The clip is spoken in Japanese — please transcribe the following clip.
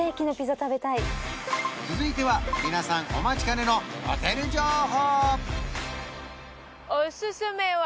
食べたい続いては皆さんお待ちかねのホテル情報！